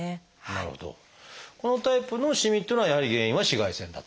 このタイプのしみっていうのはやはり原因は紫外線だと？